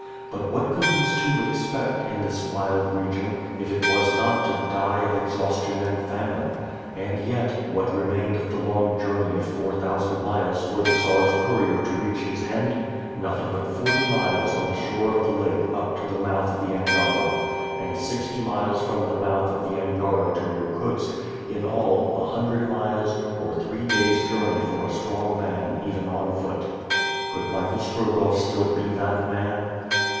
But what could these two expect, in this wild region, if it was not to die of exhaustion and famine? And yet, what remained of the long journey of four thousand miles for the Czar's courier to reach his end? Nothing but forty miles on the shore of the lake up to the mouth of the Angara, and sixty miles from the mouth of the Angara to Irkutsk; in all, a hundred miles, or three days' journey for a strong man, even on foot. Could Michael Strogoff still be that man?